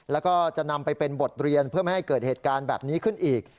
แล้วก็จะนำไปเป็นบทเรียนเพื่อไม่ให้เกิดเหตุการณ์แบบนี้ขึ้นอีก